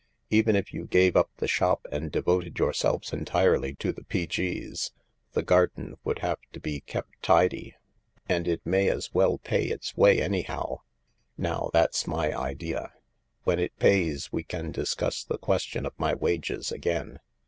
Even if you gave up the shop and devoted yourselves entirely to the P.G.'s, the garden would have to be kept tidy, and it may as well pay its way anyhow . Now that 's my idea. When it pays we can discuss the question of my wages again.